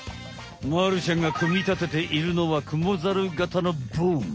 まるちゃんがくみたてているのはクモザル型のボーン。